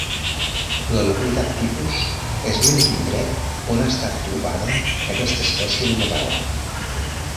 La localitat tipus és l'únic indret on ha estat trobada aquesta espècie mineral.